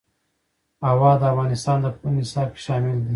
هوا د افغانستان د پوهنې نصاب کې شامل دي.